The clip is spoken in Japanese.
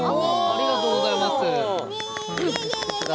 ありがとうございます。